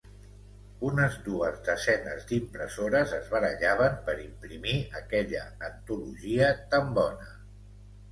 Unes dues desenes d'impressores es barallaven per imprimir aquella antologia tan bona.